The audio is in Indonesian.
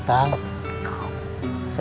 saya bener bener sedih